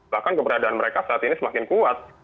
bahkan keberadaan mereka saat ini semakin kuat